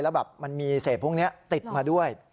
แล้วแบบมันมีเศษพวกนี้ติดมาด้วย